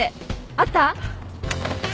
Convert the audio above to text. あった？